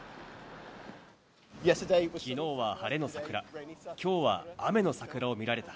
きのうは晴れの桜、きょうは雨の桜を見られた。